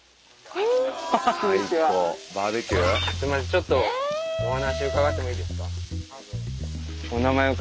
ちょっとお話伺ってもいいですか。